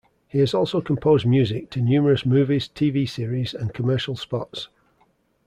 He has also composed music to numerous movies, tv-series and commercial spots.